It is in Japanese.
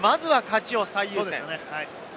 まずは勝ちを最優先。